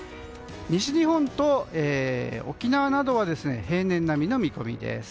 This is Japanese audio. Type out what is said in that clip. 西日本と沖縄などは平年並みの見込みです。